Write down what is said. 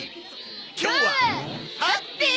今日はハッピー！